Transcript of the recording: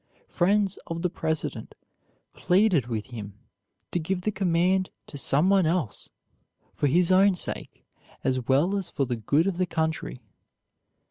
Friends of the President pleaded with him to give the command to some one else, for his own sake as well as for the good of the country.